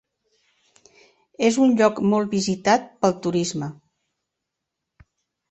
És un lloc molt visitat pel turisme.